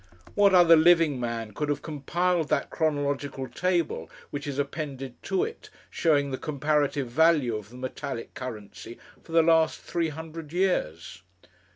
What other living man could have compiled that chronological table which is appended to it, showing the comparative value of the metallic currency for the last three hundred years?